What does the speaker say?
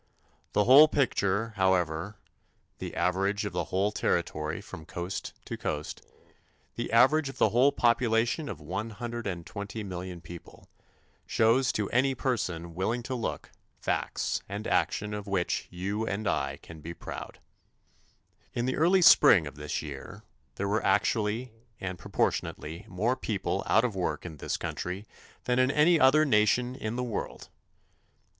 The whole picture, however the average of the whole territory from coast to coast the average of the whole population of 120,000,000 people shows to any person willing to look, facts and action of which you and I can be proud. In the early spring of this year there were actually and proportionately more people out of work in this country than in any other nation in the world.